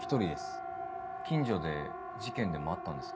近所で事件でもあったんですか？